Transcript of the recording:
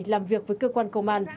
làm việc với cơ quan công an